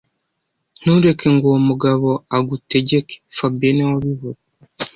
Ntureke ngo uwo mugabo agutegeke fabien niwe wabivuze